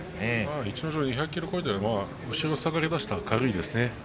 逸ノ城は２００ｋｇ超えていますけど後ろに下がりだしたら軽いですね。